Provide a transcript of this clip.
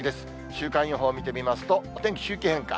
週間予報見てみますと、お天気、周期変化。